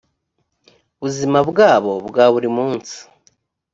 buzima bwabo bwa buri munsi